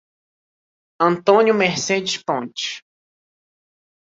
Antônio Mercedes Pontes